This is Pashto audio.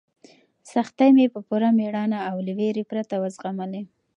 سختۍ مې په پوره مېړانه او له وېرې پرته وزغملې.